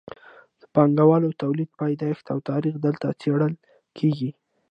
د پانګوالي تولید پیدایښت او تاریخ دلته څیړل کیږي.